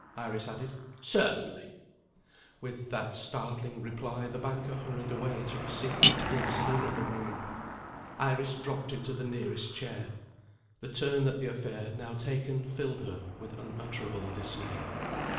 Iris added. "Certainly!" With that startling reply, the banker hurried away to receive the police in another room. Iris dropped into the nearest chair. The turn that the affair had now taken filled her with unutterable dismay.